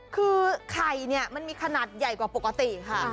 คือไข่เนี่ยมันมีขนาดใหญ่กว่าปกติค่ะ